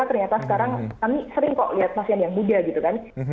ternyata sekarang kami sering kok lihat pasien yang muda gitu kan